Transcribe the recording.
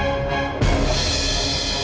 suruh dia cari yang lain